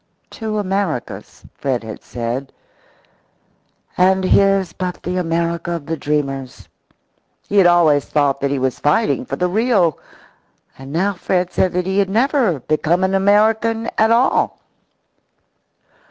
Two Americas, Fred had said, and his but the America of the dreamers. He had always thought that he was fighting for the real. And now Fred said that he had never become an American at all.